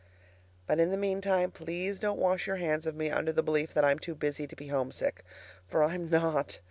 But in the meantime please don't wash your hands of me under the belief that I'm too busy to be homesick; for I'm not.